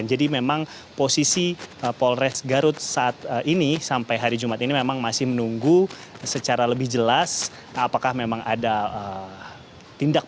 jadi memang posisi polres garut saat ini sampai hari jumat ini memang masih menunggu secara lebih jelas apakah memang ada tindakan